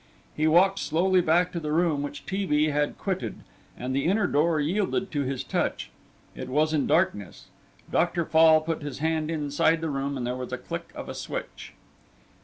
He walked slowly back to the room which T. B. had quitted, and the inner door yielded to his touch. It was in darkness. Dr. Fall put his hand inside the room and there was a click of a switch.